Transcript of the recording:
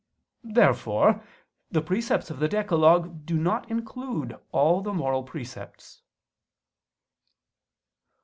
Therefore the precepts of the decalogue do not include all the moral precepts.